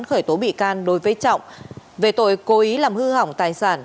khởi tố bị can đối với trọng về tội cố ý làm hư hỏng tài sản